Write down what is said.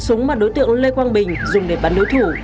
súng mà đối tượng lê quang bình dùng để bắn đối thủ